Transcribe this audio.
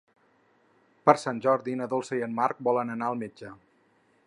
Per Sant Jordi na Dolça i en Marc volen anar al metge.